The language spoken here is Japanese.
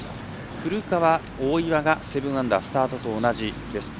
古川、大岩が７アンダー、スタートと同じです。